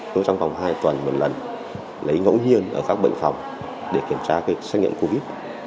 tôi trong vòng hai tuần một lần lấy ngẫu nhiên ở các bệnh phòng để kiểm tra cái xét nghiệm covid